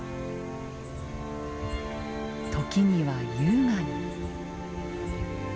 時には優雅に。